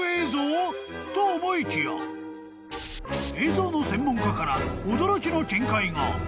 ［と思いきや映像の専門家から驚きの見解が］